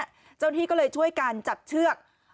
เจ้าหน้าที่ก็เลยช่วยกันจับเชือก